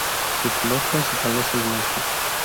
Su color principal es el blanco.